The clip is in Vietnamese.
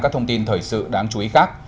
thông tin thời sự đáng chú ý khác